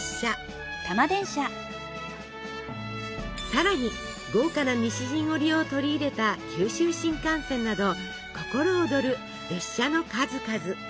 さらに豪華な西陣織を取り入れた九州新幹線など心躍る列車の数々。